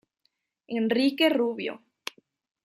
Enrique Rubio.